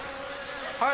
はい。